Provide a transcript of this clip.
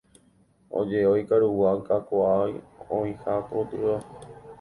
Oje'ói karugua kakuaa oĩha gotyo.